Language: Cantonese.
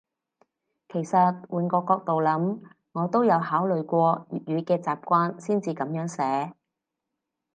其實換個角度諗，我都有考慮過粵語嘅習慣先至噉樣寫